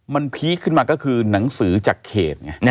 มันพีคขึ้นมาก็คือหนังสือจากเขตไง